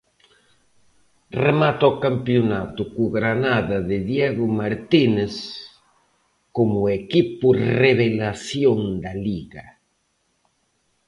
Remata o campionato co Granada de Diego Martínez como o equipo revelación da Liga.